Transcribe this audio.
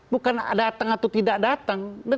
bukan datang atau tidak datang